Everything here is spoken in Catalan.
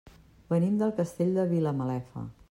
Venim del Castell de Vilamalefa.